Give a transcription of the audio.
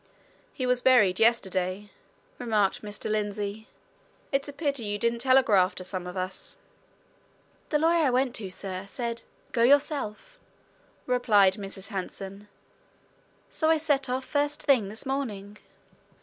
"He was buried yesterday," remarked Mr. Lindsey. "It's a pity you didn't telegraph to some of us." "The lawyer I went to, sir, said, 'Go yourself!'" replied Mrs. Hanson. "So I set off first thing this morning."